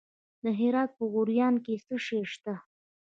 د هرات په غوریان کې څه شی شته؟